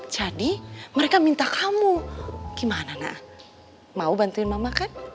jadi mereka minta kamu gimana na mau bantuin mama kan